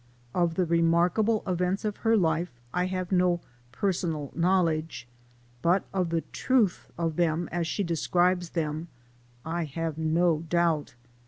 Of the remarkable events of her life I have no personal knowledge, but of the truth of them as she describes them I have no doubt.